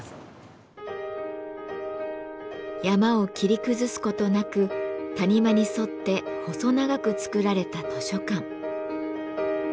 山を切り崩す事なく谷間に沿って細長く造られた図書館。